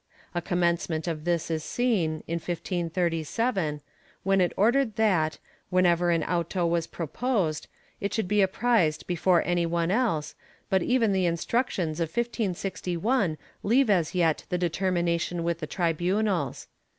A commencement of this is seen, in 1537, when it ordered that, whenever an auto was pro posed, it should be apprised before any one else, but even the Instructions of 1561 leave as yet the determination with the tri bunals.'